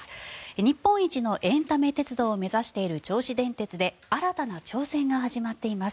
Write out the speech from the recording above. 日本一のエンタメ鉄道を目指している銚子電鉄で新たな挑戦が始まっています。